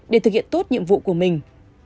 để thực hiện tốt nhiệm vụ của mình